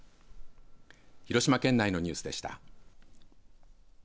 広島県内のニュースでした。